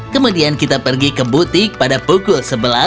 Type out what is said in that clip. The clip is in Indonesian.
kemudian kita pergi ke butik pada pukul sebelas